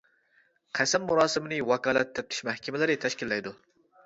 قەسەم مۇراسىمىنى ۋاكالەت تەپتىش مەھكىمىلىرى تەشكىللەيدۇ.